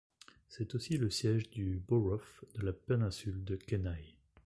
C'est aussi le siège du Borough de la péninsule de Kenai.